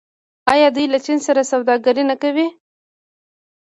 آیا دوی له چین سره سوداګري نه کوي؟